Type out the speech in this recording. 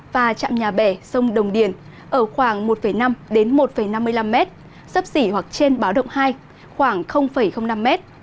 và trạm nhà bẻ sông đồng điền ở khoảng một năm một năm mươi năm m sấp xỉ hoặc trên báo động hai khoảng năm m